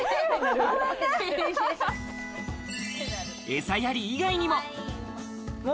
えさやり以外にも。